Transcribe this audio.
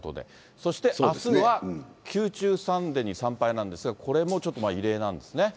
そしてあすは宮中三殿に参拝なんですが、これもちょっと異例なんですね。